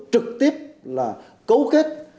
trực tiếp là cấu kết